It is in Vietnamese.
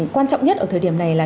quan trọng nhất ở thời điểm này là